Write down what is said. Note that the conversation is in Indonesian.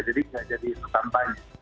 jadi tidak jadi isu kampanye